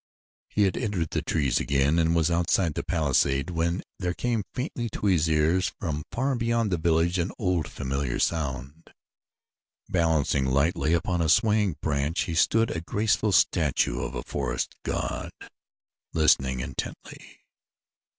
He had entered the trees again and was outside the palisade when there came faintly to his ears from far beyond the village an old, familiar sound. Balancing lightly upon a swaying branch he stood, a graceful statue of a forest god, listening intently.